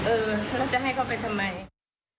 เออแล้วจะให้เขาไปทำไม